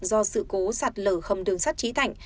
do sự cố sạt lử hầm đường sắt trí thạch